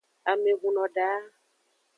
Ame hunno da.